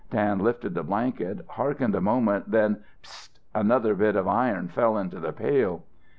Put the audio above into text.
Dan lifted the blanket, hearkened a moment, then "pst!" another bit of iron fell into the pail.